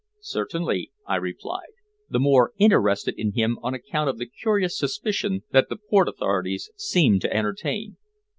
"Certainly," I replied, the more interested in him on account of the curious suspicion that the port authorities seemed to entertain.